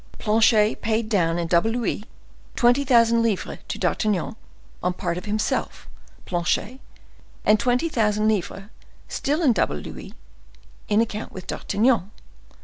Planchet paid down in double louis, twenty thousand livres to D'Artagnan, on the part of himself (Planchet), and twenty thousand livres, still in double louis, in account with D'Artagnan.